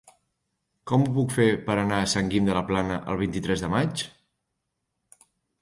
Com ho puc fer per anar a Sant Guim de la Plana el vint-i-tres de maig?